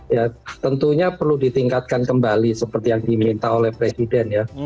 ya tentunya perlu ditingkatkan kembali seperti yang diminta oleh presiden ya